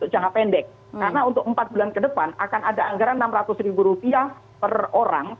jangka pendek karena untuk empat bulan ke depan akan ada anggaran rp enam ratus per orang